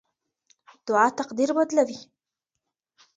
دعا تقدیر بدلوي.